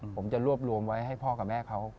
ผมจะรวบรวมไว้ให้พ่อกับแม่เขา